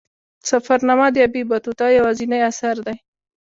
سفرنامه د ابن بطوطه یوازینی اثر دی.